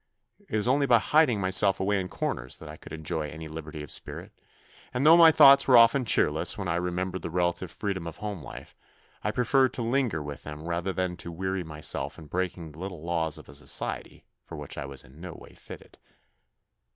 It was only by hiding myself away in corners that I could enjoy any liberty of spirit, and though my thoughts were often cheerless when I remembered the relative freedom of home life, I preferred to linger with them rather than to weary myself in breaking the little laws of a society for which I was in no way fitted.